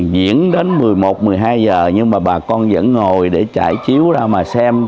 diễn đến một mươi một một mươi hai giờ nhưng mà bà con vẫn ngồi để trải chiếu ra mà xem